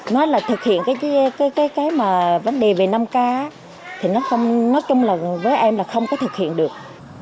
nó là thực hiện cái vấn đề về năm k thì nói chung với em là không có thực hiện được